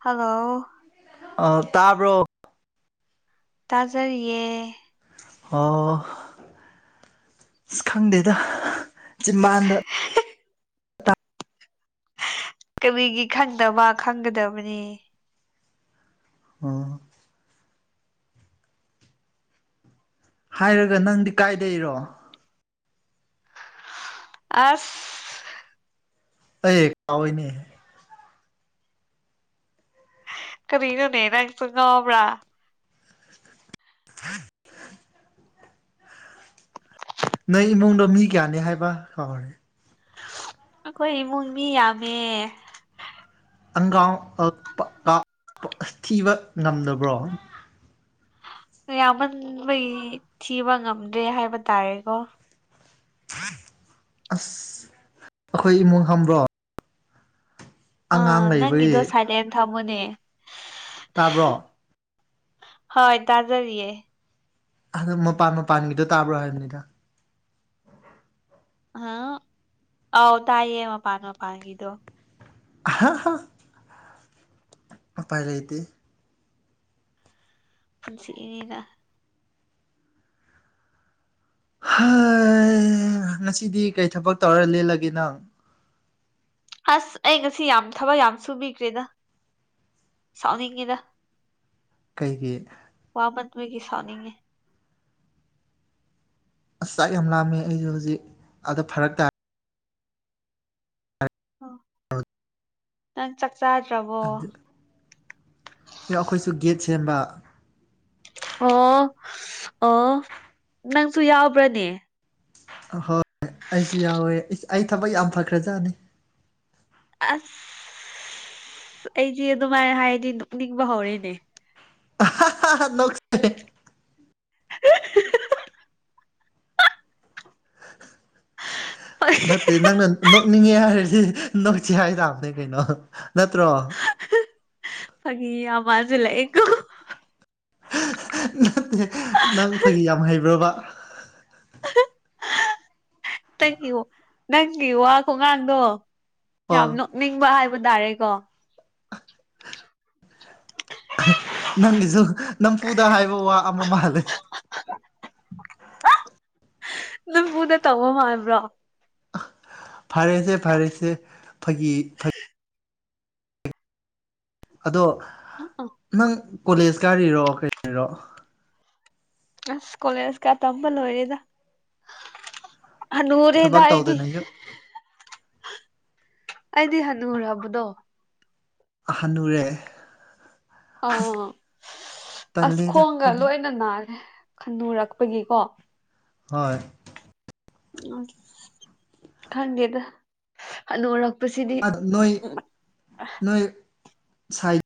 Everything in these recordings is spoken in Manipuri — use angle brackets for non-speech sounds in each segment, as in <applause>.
ꯍꯜꯂꯣ ꯑ ꯇꯥꯕ꯭ꯔꯣ ꯇꯥꯖꯔꯤꯌꯦ ꯑꯣ ꯑꯁ ꯈꯪꯗꯦꯗ ꯆꯤꯕꯥꯥꯟꯗ ꯀꯕꯤꯒꯤ ꯈꯪꯗꯕ ꯈꯪꯒꯗꯕꯅꯤ ꯑ ꯍꯥꯏꯔꯒ ꯅꯪꯗꯤ ꯀꯥꯏꯗꯩꯔꯣ ꯑꯁ ꯑꯩꯣꯏꯅꯦ ꯀꯔꯤ ꯏꯅꯣꯅꯦꯔꯪꯁꯨꯉꯕ꯭ꯔꯥ ꯊ ꯅꯪ ꯏꯃꯨꯡꯗ ꯃꯤ ꯀꯌꯥꯅꯤ ꯍꯥꯏꯕ ꯀꯥꯎꯍꯦ ꯑꯩꯈꯣꯏ ꯏꯃꯨꯡ ꯃꯤ ꯌꯥꯝꯃꯦ ꯑꯪꯒꯥꯡ ꯊꯤꯕ ꯉꯝꯗꯕ꯭ꯔꯣ ꯌꯥꯝꯃꯟꯕꯩ ꯊꯤꯕ ꯉꯝꯗ꯭ꯔꯦ ꯍꯥꯏꯕ ꯇꯥꯔꯦꯀꯣ ꯑꯁ ꯑꯩꯈꯣꯏ ꯏꯃꯨꯡ ꯍꯕ꯭ꯔꯣ ꯑ ꯅꯪ ꯏꯣ ꯁꯥꯏꯗꯦꯟꯃꯅꯤ ꯇꯥꯕ꯭ꯔꯣ ꯍꯣꯏ ꯇꯥꯖꯔꯤꯌꯦ ꯑꯗꯨ ꯃ ꯄꯥꯟ ꯄꯥꯥꯟꯒꯤꯗ ꯇꯥꯕ꯭ꯔ ꯍꯥꯏꯕꯅꯤ ꯏꯗ ꯍꯥ ꯑꯥꯎ ꯇꯥꯏꯌꯦ ꯑꯃ ꯄꯅ ꯃ ꯄꯥꯡ ꯀꯤꯗꯣ ꯍ ꯄꯥꯏꯔꯇ ꯁꯤ ꯏꯅꯤꯅ ꯍ ꯉꯁꯤꯗꯤ ꯀꯔꯤ ꯊꯕꯛ ꯇꯧꯔ ꯂꯦꯜꯂꯒꯦ ꯅꯪ ꯑꯁ ꯑꯩ ꯉꯁꯤ ꯌꯥꯝ ꯊꯕꯛ ꯌꯥꯝ ꯁꯨꯕꯤꯈ꯭ꯔꯦꯅ ꯁꯥꯎꯅꯤꯡꯉꯤꯅ ꯀꯩꯒꯤ ꯅꯨꯒꯤ ꯁꯥꯅꯤ ꯑꯁ ꯆꯥꯛ ꯌꯥꯝ ꯂꯥꯝꯃꯦ ꯑꯩꯁꯨꯦ ꯍꯧꯖꯤꯛ ꯑꯥꯗ ꯐꯔꯛ ꯇꯥꯔꯦ ꯍ ꯅꯪ ꯆ ꯑꯩꯈꯣꯏꯁꯨ ꯒꯦꯠ ꯁꯦꯝꯕ ꯑꯣ ꯑꯣ ꯅꯪꯁꯨ ꯌꯥꯎꯕ꯭ꯔꯅꯦ ꯍꯣꯏꯣꯏ ꯑꯩꯁꯨ ꯌꯥꯎꯋꯦ ꯑꯩ ꯊꯕꯛ ꯌꯥꯝ ꯐꯈ꯭ꯔꯖꯥꯠꯅꯤ ꯑꯁ ꯑꯩꯗꯤ ꯑꯗꯨꯃꯥꯏꯅ ꯍꯥꯏꯗꯤ ꯅꯤꯡꯕ ꯍꯧꯔꯦꯅꯦ ꯅꯁꯦ <unintelligible> ꯅꯦ ꯅꯪꯅ ꯀꯛꯅꯤꯡꯉꯦ ꯍꯥꯏꯔꯗꯤ ꯅꯣꯛꯁꯤꯦ ꯍꯥꯏ ꯇꯥꯕꯅꯦ ꯀꯩꯅꯣ ꯅꯠꯇ꯭ꯔꯣ ꯐꯒꯤ ꯑꯋꯥꯖ ꯂꯩꯀ ꯅꯠꯇꯦ ꯅꯪ ꯐꯒꯤ ꯌꯥꯝ ꯍꯩꯕ꯭ꯔꯕ ꯅꯪꯒꯤ ꯅꯪꯒꯤ ꯋꯥ ꯈꯣꯡꯒꯥꯡꯗꯣ ꯑꯣ ꯌꯥꯝ ꯅꯣꯛꯅꯤꯡꯕ ꯍꯥꯏꯕ ꯇꯥꯔꯦꯀꯣ ꯅꯪꯒꯤꯁꯨ ꯅꯝꯐꯨꯗ ꯍꯥꯏꯕ ꯋꯥ ꯑꯃ ꯃꯥꯜꯂꯦ ꯕꯨꯗ ꯇꯉꯣ ꯃꯥꯕ꯭ꯔꯣ ꯐꯔꯦꯁꯦ ꯐꯔꯦꯁꯦ ꯐꯒꯤ ꯑꯗꯣ ꯅꯪ ꯀꯣꯂꯦꯖꯀꯔꯤꯔꯣ ꯀꯔꯤꯔꯣ ꯑꯁ ꯀꯣꯂꯦꯖꯀ ꯇꯝꯕ ꯂꯣꯏꯔꯦꯗ ꯊꯕꯛ ꯍꯅꯔꯗꯥꯏꯗꯤ ꯇꯧꯗꯅ ꯌꯨꯝ ꯑꯩꯗꯤ ꯍꯅꯨ ꯎꯔꯕꯗꯣ ꯑꯍꯅꯨꯔꯦ ꯑꯥ ꯑꯁ ꯇꯜꯂꯦꯗ ꯈꯣꯡꯒ ꯑꯗꯨꯗꯤ ꯂꯣꯏꯅ ꯅꯥꯔꯦ ꯈꯟꯗꯣꯔꯛꯄꯒꯤꯀꯣ ꯍꯣꯏ ꯑ ꯈꯪꯗꯦꯗꯅꯔꯛ ꯑ ꯅꯣꯏ ꯅꯣꯏ ꯁꯥꯏ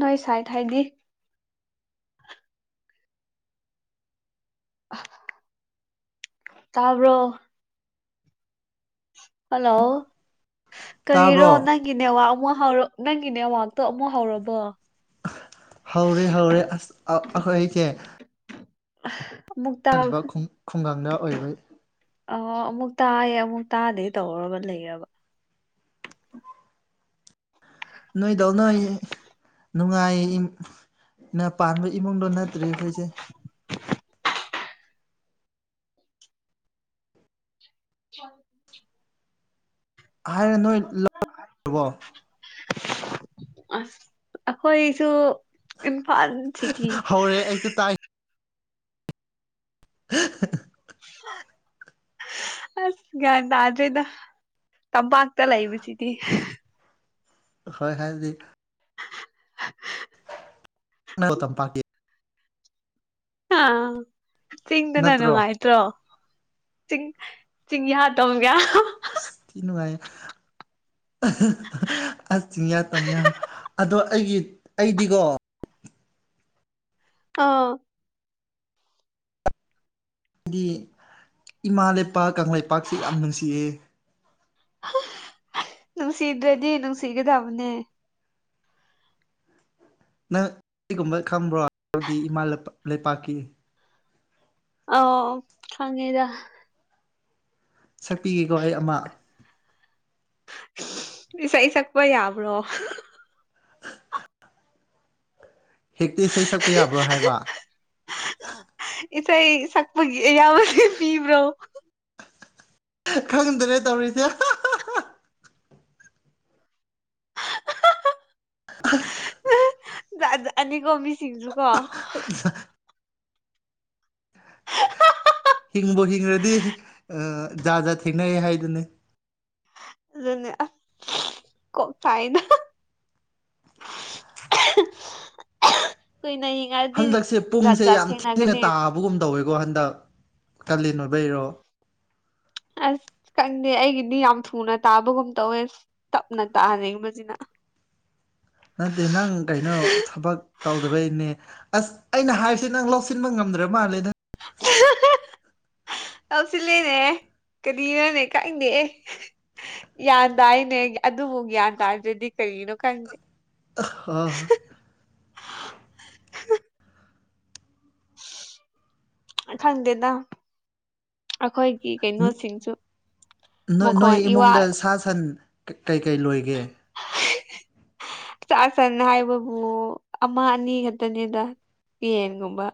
ꯅꯣꯏ ꯆꯥꯏ ꯊꯥꯏꯗꯤ <unintelligible> ꯇꯥꯕ꯭ꯔꯣ ꯍꯜꯂꯣ ꯀꯔꯤꯔꯣ ꯇꯥꯕ꯭ꯔꯣ ꯅꯪꯒꯤꯅꯦ ꯋꯥ ꯑꯃꯨꯛ ꯍꯧꯔꯛ ꯅꯪꯒꯤꯅꯦ ꯋꯥꯥꯛꯇꯣ ꯑꯃꯨꯛ ꯍꯧꯔꯕꯣ ꯍꯧꯔꯦ ꯍꯧꯔꯦ ꯑꯁ ꯑꯩꯈꯣꯏ ꯑꯩꯁꯦ ꯑꯃꯨꯛꯇꯛꯇ ꯈꯨꯡꯒꯪꯗ ꯑꯣꯏꯕꯩ ꯑ ꯑꯃꯨꯛ ꯇꯥꯏꯌꯦ ꯑꯃꯨꯛ ꯇꯥꯗꯦ ꯇꯧꯔꯕ ꯂꯩꯔꯕ ꯅꯣꯏꯗꯥꯎ ꯅꯣꯏ ꯅꯨꯡꯉꯥꯏꯌꯦ ꯅ ꯄꯥꯟꯕ ꯏꯃꯨꯡꯗꯣ ꯅꯠꯇ꯭ꯔꯦ ꯑꯩꯈꯣꯏꯁꯦ ꯆ ꯍꯥꯏꯔ ꯅꯣꯏ ꯂꯧꯔꯕꯣ ꯑꯁ ꯑꯩꯈꯣꯏꯁꯨ ꯏꯝꯐꯥꯜ ꯁꯤꯇꯤ ꯍꯧꯔꯦ ꯑꯩꯁꯨ ꯇꯥꯏ <unintelligible> ꯑ ꯑꯁ ꯒ꯭ꯌꯥꯟ ꯇꯥꯗ꯭ꯔꯦꯗ ꯇꯝꯄꯥꯛꯇ ꯂꯩꯕꯁꯤꯗꯤ ꯍꯣꯏ ꯍꯗꯤ <unintelligible> ꯇꯝꯄꯥꯛꯥꯀꯤ ꯑ ꯆꯤꯡꯗꯅ ꯅꯠꯇ꯭ꯔꯣ ꯅꯨꯡꯉꯥꯏꯇ꯭ꯔꯣ ꯆꯤꯡ ꯆꯁꯤꯡꯍ ꯇꯝꯒ ꯊꯅꯅꯨꯡꯉꯥꯏ ꯑꯁꯌꯥ ꯇꯝ ꯑꯗꯣ ꯑꯩꯒꯤ ꯑꯩꯗꯤꯀꯣ ꯑ ꯍꯥꯏꯗꯤ ꯏꯃꯥ ꯂꯩꯄꯥꯛ ꯀꯪꯂꯩꯄꯥꯛꯁꯤ ꯌꯥꯝ ꯅꯨꯡꯁꯤꯏ ꯅꯨꯡ ꯁꯤꯗ꯭ꯔꯗꯤ ꯅꯨꯡꯁꯤꯒꯗꯕꯅꯦ ꯅꯪ ꯀꯒꯨꯝꯕ ꯈꯪꯕ꯭ꯔꯣ ꯍꯥꯏꯗꯤ ꯏꯃꯥ ꯂꯩꯄꯥꯛꯀꯤ ꯑꯣ ꯈꯉꯦꯗ ꯁꯛꯄꯤꯒꯦꯀꯣ ꯑꯩ ꯑꯃ ꯃꯤ ꯁꯩ ꯁꯛꯄ ꯌꯥꯕ꯭ꯔꯣ <unintelligible> ꯍꯦꯛꯇꯤ ꯏꯁꯩ ꯁꯛꯄ ꯌꯥꯕ꯭ꯔꯣ ꯍꯥꯏꯕ ꯏꯁꯩꯊ ꯁꯛꯄꯒꯤ ꯑꯌꯥꯕꯁ ꯄꯤꯕ꯭ꯔꯣ ꯈꯪꯗ꯭ꯔꯦ ꯇꯧꯔꯤꯁꯦ ꯑꯁ ꯑꯅꯤꯀꯣ ꯃꯤꯁꯤꯡꯁꯨꯀꯣ ꯍꯤꯡꯕ ꯍꯤꯡꯈ꯭ꯔꯗꯤꯖꯥ ꯖꯥꯠ ꯊꯦꯡꯅꯩ ꯍꯥꯏꯗꯨꯅꯤ ꯀ ꯐꯥꯏꯅ ꯀ ꯅ ꯍꯟꯗꯛꯁꯦ ꯄꯨꯡꯁꯦ ꯌꯥꯝ ꯊꯦꯡꯅ ꯇꯥꯕꯒꯨꯝ ꯇꯧꯋꯦꯕ ꯣ ꯍꯟꯗꯛ ꯀꯜꯂꯤ ꯅꯣꯣꯏꯕꯩꯔꯣ ꯑꯁ ꯈꯪꯗꯦ ꯑꯩꯒꯤꯗꯤ ꯌꯥꯝ ꯊꯨꯅ ꯇꯥꯕꯒꯨꯝ ꯇꯧꯋꯦ ꯇꯞꯅ ꯇꯥꯅꯤꯡꯕꯁꯤꯅ <unintelligible> ꯅꯠꯇꯦ ꯅꯪ ꯀꯩꯅꯣ ꯊꯕꯛ ꯇꯧꯗꯕꯩꯅꯦ ꯑꯁ ꯑꯩꯅ ꯍꯥꯏꯔꯤꯁꯦ ꯅꯪ ꯂꯧꯁꯤꯟꯕ ꯉꯝꯗ꯭ꯔ ꯃꯥꯜꯂꯦ ꯅꯪ <unintelligible> ꯇꯧꯁꯤꯜꯂꯦꯅꯦ ꯀꯔꯤꯅꯣꯅꯦ ꯀꯛꯗꯦ ꯒ꯭ꯌꯥꯟ ꯇꯥꯥꯏꯅꯦ ꯑꯗꯨꯕꯨ ꯒ꯭ꯌꯥꯟ ꯇꯥꯗ꯭ꯔꯗꯤ ꯀꯔꯤꯅꯣ ꯈꯪꯗꯦ ꯑꯥ ꯈꯪꯗꯦꯗ ꯑꯩꯈꯣꯏ ꯅ ꯅꯣꯏ ꯃꯈꯣꯟ ꯏꯋꯥ ꯏꯃꯨꯡꯗ ꯁꯥ ꯁꯟ ꯀꯩꯀꯩ ꯂꯣꯏꯒꯦ ꯆꯥꯛ ꯁꯟ ꯍꯥꯏꯕꯕꯨ ꯑꯃ ꯑꯅꯤ ꯈꯛꯇꯅꯦꯗ ꯄꯤꯟꯒꯨꯝꯕ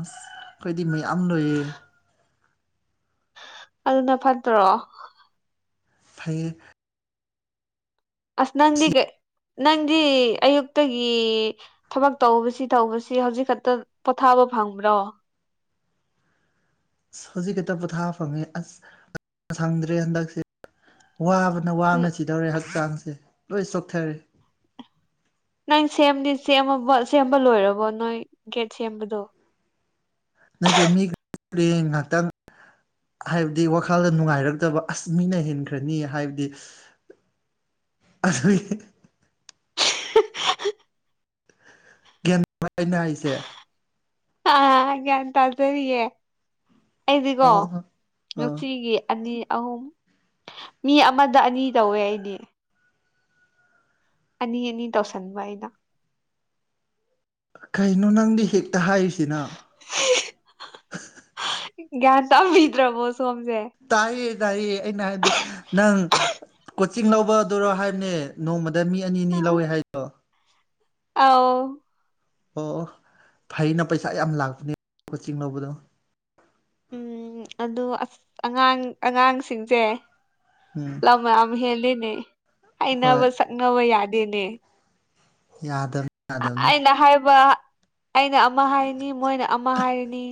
ꯑꯁ ꯑꯩꯈꯣꯏꯗꯤ ꯃꯌꯥꯝ ꯂꯣꯏꯌꯦꯦ ꯑꯗꯨꯅ ꯐꯠꯇ꯭ꯔꯣ ꯐꯌꯦ ꯑꯁ ꯅꯪꯗꯤ ꯀꯩ ꯅꯪꯗꯤ ꯑꯌꯨꯛꯇꯒꯤ ꯊꯕꯛ ꯇꯧꯕꯁꯤ ꯇꯧꯕꯁꯤ ꯍꯧꯖꯤꯛ ꯈꯛꯇ ꯄꯣꯊꯥꯕ ꯐꯪꯕ꯭ꯔꯣ ꯑꯁ ꯍꯧꯖꯤꯛ ꯈꯤꯠꯇ ꯄꯣꯊꯥ ꯐꯪꯉꯦ ꯑꯁ ꯁꯪꯗ꯭ꯔꯦ ꯍꯟꯗꯛꯁꯦ ꯋꯥꯕꯅ ꯋꯥꯕꯅ ꯁꯤꯗꯧꯔꯦ ꯍꯛꯆꯥꯡꯁꯦ ꯂꯣꯏ ꯆꯣꯛꯊꯔꯦ ꯅꯪ ꯁꯦꯝꯗꯤ ꯁꯦꯝꯃꯕ ꯁꯦꯝꯕ ꯂꯣꯏꯔꯕꯣ ꯅꯣꯏ ꯒꯦꯠ ꯁꯦꯝꯕꯗꯣ ꯅꯠꯇꯦ ꯃꯤ ꯄꯂ‌ꯦꯡ ꯉꯍꯥꯛꯇꯪ ꯍꯥꯏꯕꯗꯤ ꯋꯥꯈꯜꯗ ꯅꯨꯡꯉꯥꯏꯔꯛꯇꯕ ꯑꯁ ꯃꯤꯅ ꯍꯦꯟꯈ꯭ꯔꯅꯤ ꯍꯥꯏꯕꯒꯤ ꯑꯗꯨꯏ ꯥ <unintelligible> ꯍꯥꯏꯁꯦ ꯑ ꯒ꯭ꯌꯥꯟ ꯇꯥꯖꯔꯤꯌꯦ ꯑꯩꯗꯤꯀꯣ ꯑꯣ ꯑꯣ ꯅꯨꯡꯇꯤꯒꯤ ꯑꯅꯤ ꯑꯍꯨꯝ ꯃꯤ ꯑꯃꯗ ꯑꯅꯤ ꯇꯧꯋꯦ ꯑꯩꯗꯤ ꯑꯅꯤ ꯑꯅꯤ ꯇꯧꯁꯟꯕ ꯑꯩꯅ ꯀꯩꯅꯣ ꯅꯪꯗꯤ ꯍꯦꯛꯇ ꯍꯥꯏꯔꯤꯁꯤꯅ ꯌꯥ ꯇ ꯃꯗ꯭ꯔꯕꯨꯣꯁꯖꯦ ꯀ ꯇ ꯑꯩꯅ ꯍꯥꯏꯕꯗꯤ ꯅꯪ ꯀꯣꯆꯤꯡ ꯂꯧꯕ ꯑꯗꯨꯔꯣ ꯍꯥꯏꯕꯅꯦ ꯅꯣꯡꯃꯗ ꯃꯤ ꯑꯅꯤꯅꯤ ꯂꯧꯋꯦ ꯍꯥꯏꯗꯣ ꯑꯧ ꯑꯣ ꯑꯣ ꯐꯩꯅ ꯄꯩꯁꯥ ꯌꯥꯝ ꯂꯥꯛꯄꯅꯦ ꯀ‌ꯣꯆꯤꯡ ꯂꯧꯕꯗꯣ ꯎꯝ ꯑꯗꯨ ꯑꯁ ꯑꯉꯥꯡ ꯑꯉꯥꯡꯁꯤꯡꯁꯦ ꯎꯝ ꯂꯝ ꯌꯥꯝ ꯍꯦꯜꯂꯤꯅꯦ ꯍꯣꯏ ꯍꯥꯏꯅꯕ ꯁꯛꯅꯕ ꯌꯥꯗꯦꯅꯦ ꯌꯥꯗꯕꯅꯤ ꯌꯥꯗꯕꯅꯤ ꯑꯩꯅ ꯍꯥꯏꯕ ꯑꯩꯅ ꯑꯃ ꯍꯥꯏꯅꯤ ꯃꯣꯏꯅ ꯑꯃ ꯍꯥꯏꯔꯤꯅꯤ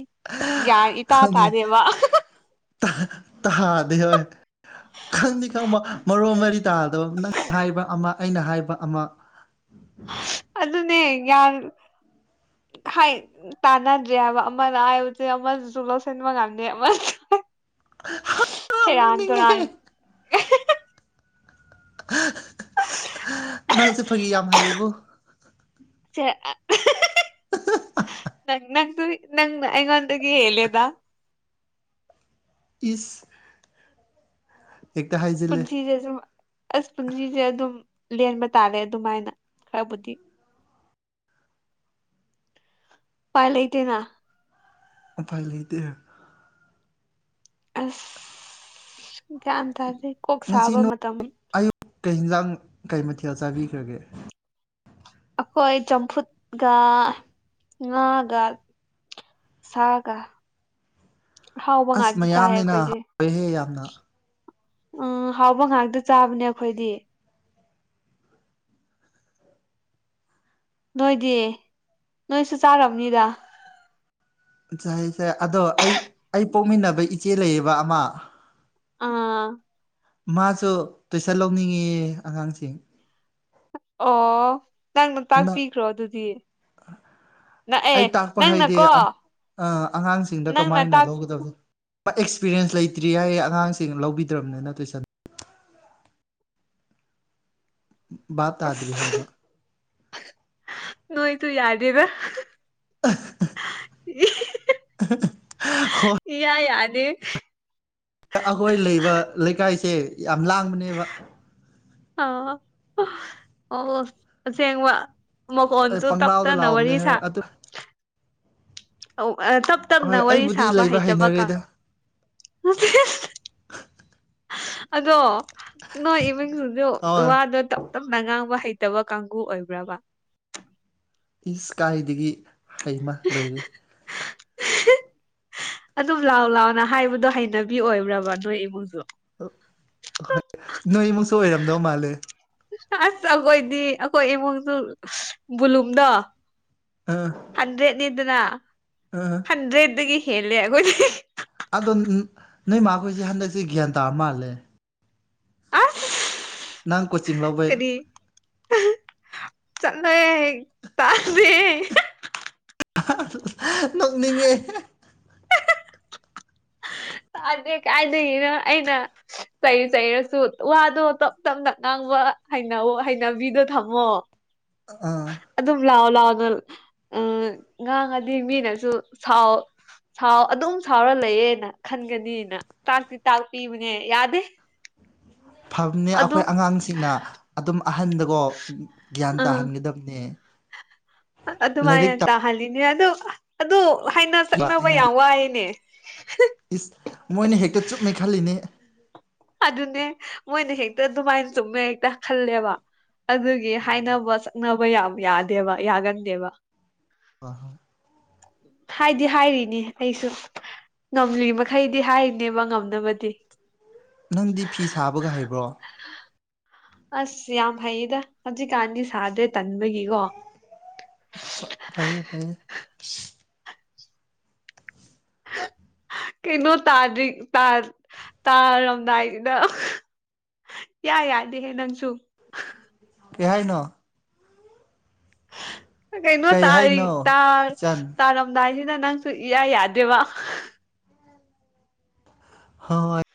ꯒꯌꯥꯟ ꯏꯇ ꯇꯥꯗꯕ ꯇꯍꯥꯥꯗ ꯍꯣꯏ ꯈꯪꯅꯤ ꯈꯪꯕꯥ ꯃꯔꯣ ꯃꯔꯤ ꯇꯥꯗꯕ ꯅꯪ ꯍꯥꯏꯕ ꯑꯃ ꯑꯩꯅ ꯍꯥꯏꯕ ꯑꯃ ꯑꯗꯨꯅꯦ ꯌꯥꯝ ꯈꯥꯏ ꯇꯥꯟꯅꯗ꯭ꯔꯦ ꯍꯥꯏꯕ ꯑꯃꯅ ꯑꯁꯦ ꯑꯃꯁꯨ ꯂꯧꯁꯟꯕ ꯉꯥꯝꯗ‌ꯦ ꯑꯃ ꯌꯥꯝ ꯁ‌ꯦꯔꯥꯟ ꯅꯣꯛꯅꯤꯡꯉꯦ ꯇꯨꯔꯥꯟ ꯅꯪꯁꯦ ꯐꯒꯤ ꯌꯥꯝ ꯍꯌꯤꯕꯣ ꯆ‌ꯦ ꯅꯪ ꯅꯪꯁꯨ ꯅꯪ ꯑꯩꯉꯣꯟꯗꯒꯤ ꯍ‌ꯦꯜꯂꯦꯗ ꯏꯁ ꯍꯦꯛꯇ ꯍꯥꯏꯖꯤꯜꯂꯦ ꯄꯨꯟꯁꯤꯁ‌ꯦ ꯁꯨꯝ ꯑꯁ ꯄꯨꯟꯁꯤꯁꯦ ꯑꯗꯨꯝ ꯂꯦꯟꯕ ꯇꯥꯔꯦ ꯑꯗꯨꯃꯥꯏꯅ ꯈꯔꯕꯨꯗꯤ ꯄꯥꯏ ꯂꯩꯇꯦꯅꯥ ꯎꯄꯥꯏ ꯂꯩꯇꯦ ꯑꯁ ꯒ꯭ꯌꯥꯟ ꯇꯥꯗ‌ꯦ ꯀꯣꯛ ꯉꯁꯤ ꯁꯥꯕ ꯅꯣ ꯃꯇꯝ ꯑꯌꯨꯛ ꯀꯩ ꯍꯤꯟꯖꯥꯡ ꯀꯩ ꯃꯊꯦꯜ ꯆꯥꯕꯤꯈ꯭ꯔꯒꯦ ꯑꯩꯈꯣꯏ ꯆꯝꯐꯨꯠꯒ ꯉꯥꯒ ꯁꯥꯒ ꯑꯍꯥꯎꯕ ꯑꯁ ꯉꯥꯛꯇ ꯆꯥꯏ ꯃꯌꯥꯝꯅꯤꯅ ꯑꯩꯈꯣꯏꯗꯤ ꯍꯥꯎꯋꯦꯍꯦ ꯌꯥꯝꯅ ꯎꯝ ꯍꯥꯎꯕ ꯉꯥꯛꯇ ꯆꯥꯕꯅꯦ ꯑꯩꯈꯣꯏꯗꯤ ꯅꯣꯏꯗꯤ ꯅꯣꯏꯁꯨ ꯆꯥꯔꯝꯅꯤꯗ ꯆꯥꯏ ꯆ ꯑꯗꯣ ꯑꯩ ꯑꯩ ꯄꯣꯛꯃꯤꯟꯅꯕ ꯏꯆꯦ ꯂꯩꯌꯦꯕ ꯑꯃ ꯑꯥ ꯃꯥꯁꯨ ꯇꯨꯏꯁꯟ ꯂꯧꯅꯤꯡꯉ‌ꯦꯌ‌ꯦ ꯑꯉꯥꯡꯁꯤꯡ ꯑꯣ ꯅꯪꯅ ꯅꯪ ꯇꯥꯛꯄꯤꯈ꯭ꯔꯣ ꯑꯗꯨꯗꯤ ꯅꯛꯑꯦ ꯑꯩ ꯇꯥꯛꯄ ꯍꯥꯏꯗꯤ ꯅꯪꯅꯀꯣ ꯑꯉꯥꯡꯁꯤꯡꯗ ꯅꯪꯅ ꯀꯃꯥꯏꯅ ꯇꯥꯛ ꯂꯧꯒꯗꯕꯅꯣ ꯑꯦꯛꯁꯄꯤꯔꯤꯌꯦꯦꯟꯁ ꯂꯩꯇ꯭ꯔꯤ ꯍꯥꯏꯌꯦ ꯑꯉꯥꯡꯁꯤꯡ ꯂꯧꯕꯤꯗ꯭ꯔꯕꯅꯤ ꯅꯠꯇꯣꯏꯁꯟ ꯕꯥ ꯇꯥꯗ꯭ꯔꯤ ꯍꯥꯏꯕ ꯅꯣꯏ ꯇꯨ ꯌꯥꯗꯗ ꯍꯣꯏ ꯏ ꯌꯥꯗ ꯗꯤ ꯑꯩꯈꯣꯏ ꯂꯩꯕ ꯂꯩꯀꯥꯏꯁꯦ ꯌꯥꯝ ꯂꯥꯡꯕꯅꯦꯕ ꯑ ꯑꯣꯁꯦꯡꯕ ꯃ ꯀꯣꯟ ꯆꯨ ꯇꯞꯛꯇ ꯄꯪꯂꯥꯎꯗ ꯅ ꯂꯥꯎꯑꯝꯅꯦ ꯋꯥꯔꯤꯔꯤ ꯁꯥ ꯑꯗꯨ ꯇꯞ ꯇꯞꯅ ꯍꯣꯏ ꯋꯥꯔꯤ ꯑꯩꯕꯨꯗꯤ ꯁꯥꯕ ꯂꯩꯕ ꯍꯩꯇꯕꯒ ꯍꯩꯅꯔꯦꯗ ꯎ ꯑꯗꯣ ꯅꯣꯏ ꯏꯃꯨꯡꯁꯤꯁꯨ ꯑ ꯋꯥꯗꯣ ꯇꯞ ꯇꯞꯅ ꯉꯥꯡꯕ ꯍꯩꯇ ꯍꯩꯇꯕ ꯀꯥꯡꯕꯨ ꯑꯣꯏꯕ꯭ꯔꯕ ꯏꯁ ꯀꯥꯏꯗꯒꯤ ꯍꯩꯃ ꯂꯣꯏꯔ ꯑꯗꯨꯝ ꯂꯥꯎ ꯂꯥꯎꯅ ꯍꯥꯏꯕꯗꯣ ꯍꯩꯅꯕꯤ ꯑꯣꯏꯕ꯭ꯔꯕ ꯅꯣꯏ ꯏꯃꯨꯡꯖꯨ ꯅꯣꯏꯃꯨꯛꯁꯨ ꯑꯣꯏꯔꯝꯗꯧ ꯃꯥꯜꯂꯦ ꯑꯁ ꯑꯩꯈꯣꯏꯗꯤ ꯑꯩꯈꯣꯏ ꯏꯃꯨꯡꯁꯨ ꯕꯨꯂꯨꯝꯗꯣ ꯑꯥ ꯍꯟꯗ꯭ꯔꯦꯠꯅꯤꯗꯅ ꯑꯥ ꯍꯟꯗ꯭ꯔꯦꯠꯇꯗꯒꯤ ꯍꯦꯜꯂꯦ ꯑꯩꯈꯣꯏꯗꯤ ꯑꯗꯣ ꯅꯣꯏ ꯃꯥꯈꯣꯏꯁꯦ ꯍꯟꯗꯛꯁꯦ ꯒ꯭ꯌꯥꯟ ꯇꯥꯔ ꯃꯥꯜꯂꯦ ꯍꯥ ꯅꯪ ꯀꯣꯆꯤꯡ ꯂꯦ ꯆꯟꯅ ꯇꯥꯦ ꯅꯣꯛꯅꯤꯡꯉꯦ ꯇꯥꯗꯦ ꯀꯥꯏꯗꯅꯤꯅ ꯑꯩꯅ ꯆꯩꯔ ꯆꯩꯔꯁꯨ ꯋꯥꯗꯣ ꯇꯞ ꯇꯞꯅ ꯉꯥꯡꯕ ꯍꯩꯅ ꯍꯩꯅꯕꯤꯗꯣ ꯊꯝꯃꯣ ꯑꯥ ꯂꯥꯡꯒ ꯎ ꯉꯥꯡꯉꯗꯤ ꯃꯤꯅꯁꯨ ꯁꯥꯎ ꯥꯎ ꯑꯗꯨꯝ ꯁꯥꯎꯔ ꯂꯩꯌꯦꯦꯅ ꯈꯟꯒꯅꯤꯅ ꯇꯥꯛꯇꯤ ꯇꯥꯛꯄꯤꯕꯅꯦ ꯌꯥꯗꯦ ꯐꯕꯅꯦ ꯑꯩꯈꯣꯏ ꯑꯗꯨꯝ ꯑꯉꯥꯡꯁꯤꯡꯅ ꯑꯗꯨꯝ ꯑꯍꯟꯗꯀꯣ ꯒ꯭ꯌꯥꯟ ꯑꯥ ꯇꯥꯍꯟꯒꯗꯕꯅꯦ ꯂꯥꯏꯔꯤꯛ ꯑꯗꯨꯃꯥꯏꯅ ꯇꯥꯍꯜꯂꯤꯅꯦ ꯑꯗꯨ ꯑꯗꯨ ꯍꯥꯏꯅ ꯇꯝꯕ ꯆꯠꯅꯕ ꯑꯩꯅ ꯌꯥꯝ ꯍꯥꯏ ꯋꯥꯏꯑꯦꯅꯦ ꯏꯁ ꯃꯣꯏꯅ ꯍꯦꯛꯇ ꯆꯨꯞꯃꯦ ꯈꯜꯂꯤꯅꯦ ꯑꯗꯨꯅꯦ ꯃꯣꯏꯅ ꯍꯦꯛꯇ ꯑꯗꯨꯃꯥꯏꯅ ꯆꯨꯝꯃꯦ ꯍꯦꯛꯇ ꯈꯜꯂꯦꯕ ꯑꯗꯨꯒꯤ ꯍꯥꯏꯅꯕ ꯆꯛꯅꯕ ꯌꯥꯝ ꯌꯥꯗꯦꯕ ꯌꯥꯒꯟꯗꯦꯕ ꯋꯥꯍ ꯍꯥꯏꯗꯤ ꯍꯥꯏꯔꯤꯅꯦ ꯑꯩꯁꯨ ꯉꯝꯂꯤ ꯃꯈꯩꯗꯤ ꯍꯥꯏꯔꯤꯅꯦꯕ ꯉꯝꯅꯕꯗꯤ ꯅꯪꯗꯤ ꯐꯤ ꯁꯥꯕꯒ ꯍꯩꯕ꯭ꯔꯣ ꯑꯁ ꯌꯥꯝ ꯍꯩꯌꯦꯗ ꯍꯧꯖꯤꯛꯀꯥꯟꯗꯤ ꯁꯥꯗ꯭ꯔꯦ ꯇꯟꯕꯒꯤꯀꯣ ꯐꯌꯦ ꯐꯌꯦ ꯍ ꯀꯩꯅꯣ ꯇꯥꯗ꯭ꯔꯤ ꯇꯥ ꯇꯥꯔꯝꯗꯥꯏꯅ ꯌꯥ ꯌꯥꯗ ꯍꯦ ꯅꯪꯁꯨ ꯀꯍꯥꯏꯅ ꯀꯩꯅꯣ ꯀꯩ ꯇꯥꯔ ꯍꯥꯏꯅꯣ ꯇꯔ ꯏꯆꯟ ꯇꯔ ꯑꯃꯗꯥꯏꯁꯤ ꯗ ꯅꯪꯁꯨ ꯏ ꯌꯥꯗꯦꯕ ꯍ